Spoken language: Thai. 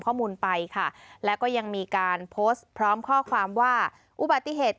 ข้อมูลไปค่ะแล้วก็ยังมีการโพสต์พร้อมข้อความว่าอุบัติเหตุ